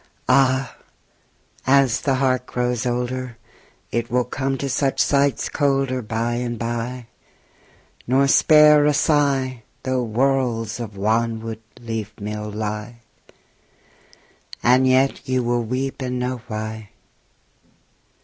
Ah! as the heart grows older It will come to such sights colder By and by, nor spare a sigh Though worlds of wanwood leafmeal lie. And yet you will weep and know why.